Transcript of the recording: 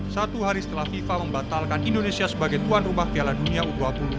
satu hari setelah fifa membatalkan indonesia sebagai tuan rumah piala dunia u dua puluh